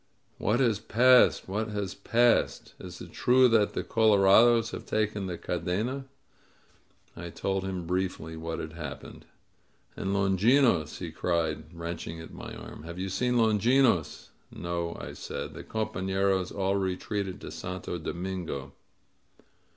^^What has passed? What has passed? Is it true that the colorados have taken the Cadena?" I told him briefly what had happened. ^^And Longinos?'' he cried, wrenching at my arm. Have you seen Longinos?" "No," I said. "The compaiieros all retreated to Santo Domingo."